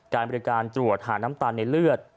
การบริการตรวจหาน้ำตาลในเลือด